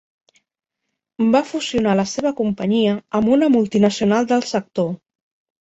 Va fusionar la seva companyia amb una multinacional del sector.